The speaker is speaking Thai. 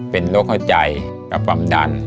เป็นโรคเข้าใจกับความดัน